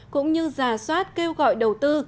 cũng như giả soát kêu gọi đầu tư